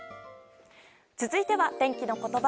続いては天気のことば。